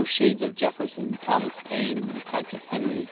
shades of Jefferson, Thomas Paine, and Patrick Henry!